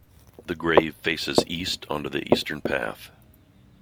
The grave faces east onto the eastern path.